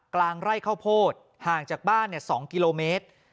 กลางไร่ข้าวโพดห่างจากบ้าน๒กิโลเมตร